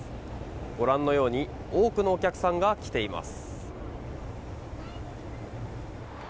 ご覧のように多くのお客さんが来ています。